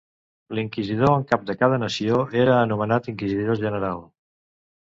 L'inquisidor en cap de cada nació era anomenat Inquisidor general.